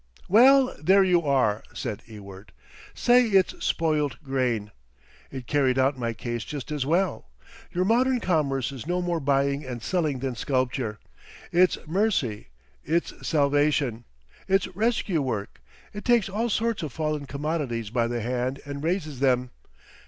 "Well, there you are!" said Ewart. "Say it's spoilt grain. It carried out my case just as well. Your modern commerce is no more buying and selling than sculpture. It's mercy—it's salvation. It's rescue work! It takes all sorts of fallen commodities by the hand and raises them.